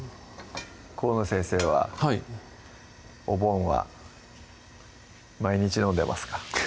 河野先生ははいお盆は毎日飲んでますか？